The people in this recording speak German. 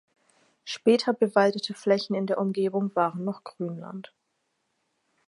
Später bewaldete Flächen in der Umgebung waren noch Grünland.